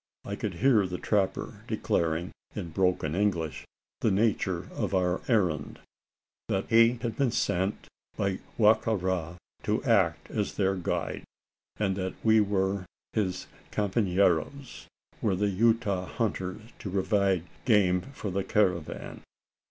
I could hear the trapper declaring in broken English the nature of our errand that he had been sent by Wa ka ra to act as their guide; and that we his companeros, were the Utah hunters, to provide game for the caravan.